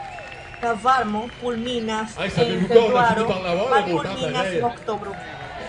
La varmo kulminas en februaro, malkulminas en oktobro.